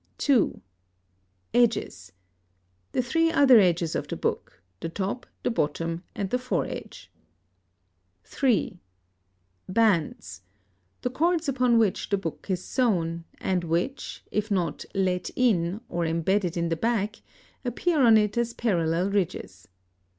(2) Edges, the three other edges of the book, the top, the bottom, and the fore edge. (3) Bands, the cords upon which the book is sewn, and which, if not "let in" or embedded in the back, appear on it as parallel ridges.